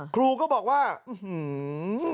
ครูก็บอกว่าอื้อหือ